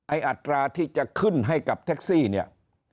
อัตราที่จะขึ้นให้กับแท็กซี่เนี่ย